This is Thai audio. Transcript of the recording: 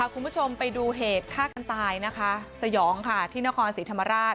คุณผู้ชมไปดูเหตุฆ่ากันตายสยองในความศรีธรรมราช